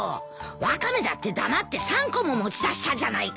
ワカメだって黙って３個も持ち出したじゃないか。